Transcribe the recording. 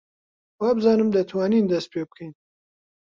وابزانم دەتوانین دەست پێ بکەین.